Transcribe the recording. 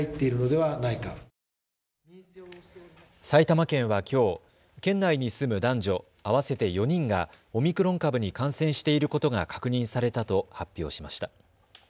埼玉県はきょう県内に住む男女合わせて４人がオミクロン株に感染していることが確認されたと発表しました。